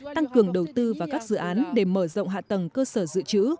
tăng cường đầu tư vào các dự án để mở rộng hạ tầng cơ sở dự trữ